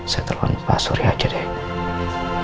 saya telepon pak surya aja deh